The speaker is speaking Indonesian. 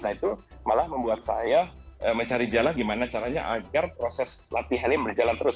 nah itu malah membuat saya mencari jalan gimana caranya agar proses latihan ini berjalan terus